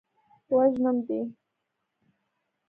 وژنم دې.